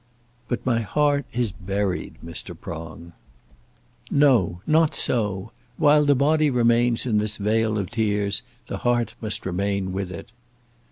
"But my heart is buried, Mr. Prong." "No; not so. While the body remains in this vale of tears, the heart must remain with it."